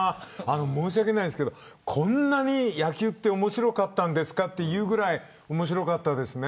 申し訳ないですけどこんなに野球って面白かったんですかっていうぐらい面白かったです。